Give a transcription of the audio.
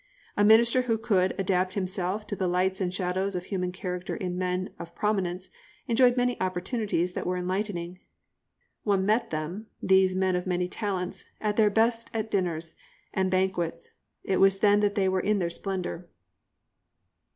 A minister who could adapt himself to the lights and shadows of human character in men of prominence enjoyed many opportunities that were enlightening. One met them, these men of many talents, at their best at dinners and banquets. It was then they were in their splendour.